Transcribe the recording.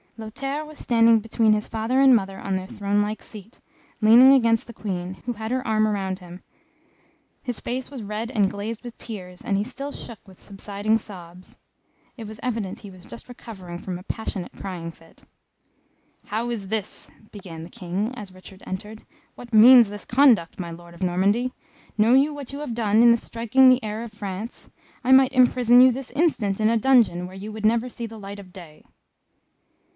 Lothaire was standing between his father and mother on their throne like seat, leaning against the Queen, who had her arm round him; his face was red and glazed with tears, and he still shook with subsiding sobs. It was evident he was just recovering from a passionate crying fit. "How is this?" began the King, as Richard entered. "What means this conduct, my Lord of Normandy? Know you what you have done in striking the heir of France? I might imprison you this instant in a dungeon where you would never see the light of day."